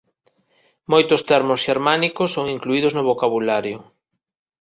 Moitos termos xermánicos son incluídos no vocabulario.